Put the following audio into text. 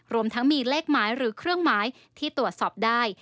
รวมทั้งมีเลขหมายหรือเครื่องหมายที่ตรวจสอบได้